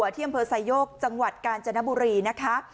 ที่เยี่ยมเผอร์ไซโยกจังหวัดกาญจนบุรีนะคะ